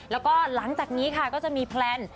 แล้วก็หลังจากนี้ค่ะก็จะมีแพลน